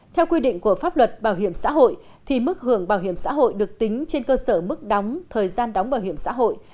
theo quy định của pháp luật bảo hiểm xã hội mức hưởng bảo hiểm xã hội được tính trên cơ sở mức đóng thời gian đóng bảo hiểm xã hội